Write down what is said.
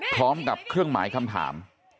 พร้อมกับเครื่องหมายคำถาม